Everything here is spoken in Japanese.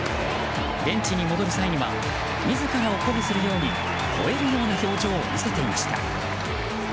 ベンチに戻る際には自らを鼓舞するようにほえるような表情を見せていました。